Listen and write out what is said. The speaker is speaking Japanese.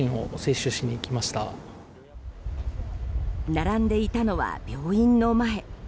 並んでいたのは病院の前。